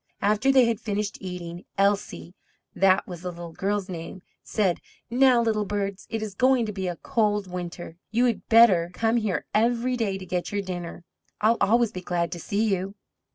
After they had finished eating, Elsie (that was the little girl's name) said: "Now, little birds, it is going to be a cold winter, you would better come here every day to get your dinner. I'll always be glad to see you."